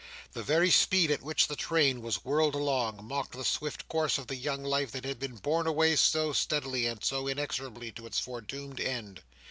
The very speed at which the train was whirled along, mocked the swift course of the young life that had been borne away so steadily and so inexorably to its foredoomed end.